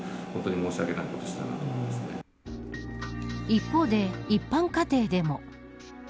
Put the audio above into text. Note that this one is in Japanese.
一方で、一般家庭でも。